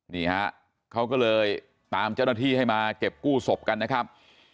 นี่ฮะเขาก็เลยตามเจ้าหน้าที่ให้มาเก็บกู้ศพกันนะครับ